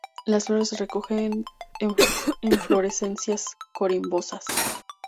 Las flores se recogen en inflorescencias corimbosas.